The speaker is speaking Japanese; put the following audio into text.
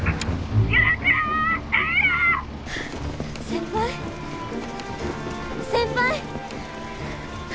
先輩先輩！